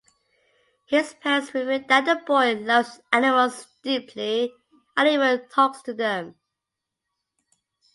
His parents reveal that the boy loves animals deeply, and even talks to them.